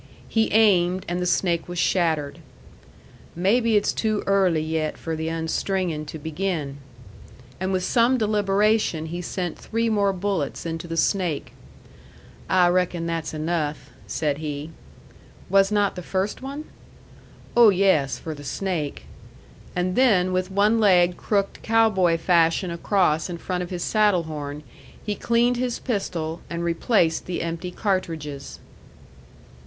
He aimed, and the snake was shattered. "Maybe it's too early yet for the unstringing to begin!" And with some deliberation he sent three more bullets into the snake. "I reckon that's enough," said he. "Was not the first one?" "Oh, yes, for the snake." And then, with one leg crooked cow boy fashion across in front of his saddle horn, he cleaned his pistol, and replaced the empty cartridges.